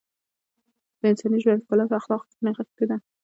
د انساني ژوند ښکلا په اخلاقو کې نغښتې ده .